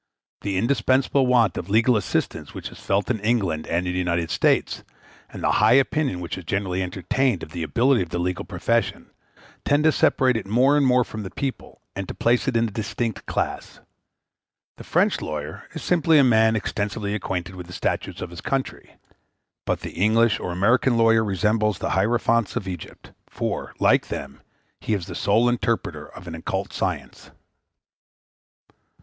The indispensable want of legal assistance which is felt in England and in the United States, and the high opinion which is generally entertained of the ability of the legal profession, tend to separate it more and more from the people, and to place it in a distinct class. The French lawyer is simply a man extensively acquainted with the statutes of his country; but the English or American lawyer resembles the hierophants of Egypt, for, like them, he is the sole interpreter of an occult science.